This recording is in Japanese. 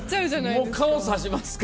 もう顔指しますから。